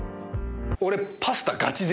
俺パスタガチ勢。